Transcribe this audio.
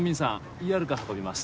ＥＲカー運びます